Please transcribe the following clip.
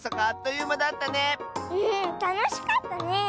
うんたのしかったね！